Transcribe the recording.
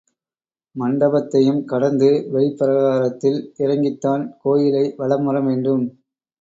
மண்டபத்தையும் கடந்து வெளிப்பிரகாரத்தில் இறங்கித்தான் கோயிலை வலம் வரவேண்டும்.